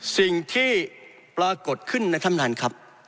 สิ่งที่ปรากฏขึ้นในดำนานครับ